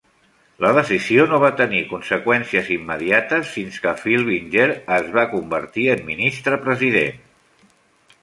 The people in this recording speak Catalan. La decisió no va tenir conseqüències immediates fins que Filbinger es va convertir en Ministre-President.